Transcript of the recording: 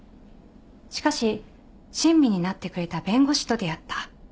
しかし親身になってくれた弁護士と出会った。